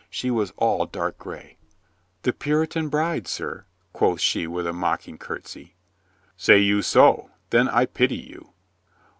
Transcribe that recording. She was all dark gray. "The Puritan bride, sir," quoth she with a mock ing curtsy. "Say you so? Then I pity you."